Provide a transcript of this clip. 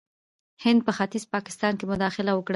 هند په ختیځ پاکستان کې مداخله وکړه.